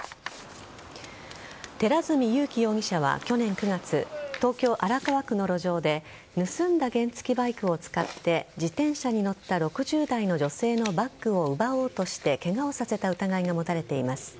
寺墨優紀容疑者は去年９月東京・荒川区の路上で盗んだ原付バイクを使って自転車に乗った６０代の女性のバッグを奪おうとしてケガをさせた疑いが持たれています。